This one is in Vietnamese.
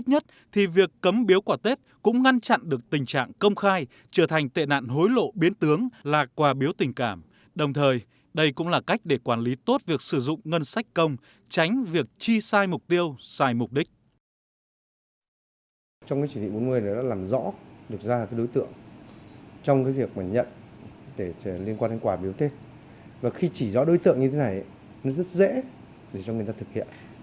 tránh việc chi sai mục tiêu sai mục đích